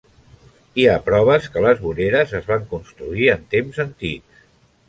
Hi ha proves que les voreres es van construir en temps antics.